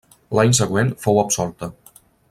L'any següent fou absolta.